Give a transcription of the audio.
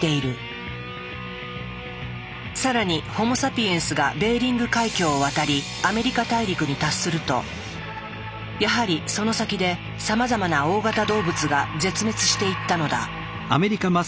さらにホモ・サピエンスがベーリング海峡を渡りアメリカ大陸に達するとやはりその先でさまざまな大型動物が絶滅していったのだ。